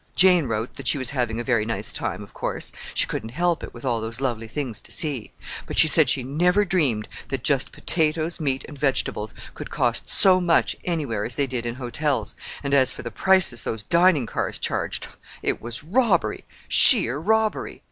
Jane wrote that she was having a very nice time, of course,—she couldn't help it, with all those lovely things to see; but she said she never dreamed that just potatoes, meat, and vegetables could cost so much anywhere as they did in hotels, and as for the prices those dining cars charged—it was robbery—sheer robbery!